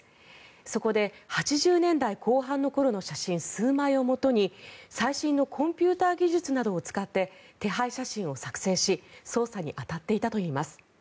そこで８０年代後半の頃の写真数枚をもとに最新のコンピューター技術などを使って手配写真を作製し捜査に当たっていたといいます。